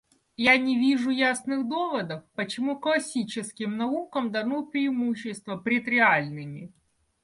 Я не вижу ясных доводов, почему классическим наукам дано преимущество пред реальными.